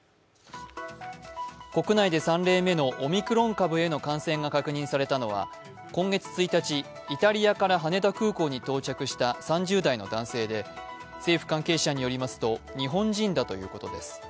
国内で３例目のオミクロン株への感染が確認されたのは今月１日、イタリアから羽田空港に到着した３０代の男性で政府関係者によりますと日本人だということです。